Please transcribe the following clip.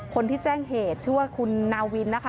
คนที่แจ้งเหตุชื่อว่าคุณนาวินนะคะ